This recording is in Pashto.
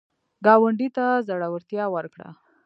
ګاونډي ته زړورتیا ورکړه